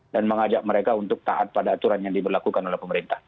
dan mengajak mereka untuk taat pada aturan yang diberlakukan oleh pemerintah